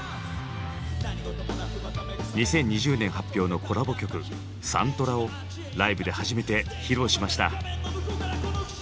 ２０２０年発表のコラボ曲「サントラ」をライブで初めて披露しました。